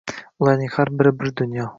Ularning har biri bir dunyo.